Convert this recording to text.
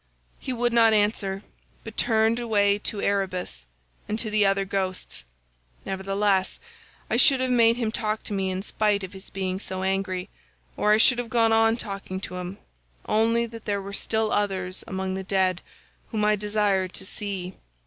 "He would not answer, but turned away to Erebus and to the other ghosts; nevertheless, I should have made him talk to me in spite of his being so angry, or I should have gone on talking to him,97 only that there were still others among the dead whom I desired to see.